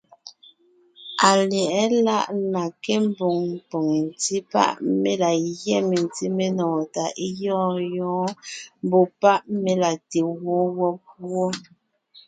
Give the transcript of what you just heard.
Alyɛ̌ʼɛ láʼ la nke mboŋ poŋ ńtí páʼ mé la gyɛ́ mentí menɔɔn tà é gyɔ̂ɔn yɔ̌ɔn, mbɔ̌ páʼ mé la te gwoon wɔ́b wɔ́.